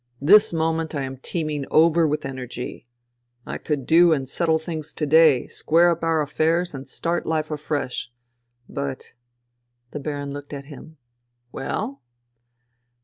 This moment I am teeming over with energy. I could do and settle things to day, square up our affairs, and start life afresh. ... But ..." The Baron looked at him. " WeU ?